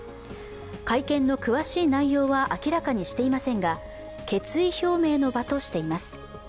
会見の詳しい内容は明らかにしていませんが、決意表明の場としています。